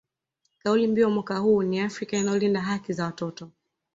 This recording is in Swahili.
Kauli mbiu ya mwaka huu ni Afrika inayolinda haki za watoto